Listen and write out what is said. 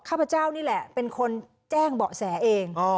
ขพเจ้านี่แหละเป็นคนแจ้งเบาะแสเอง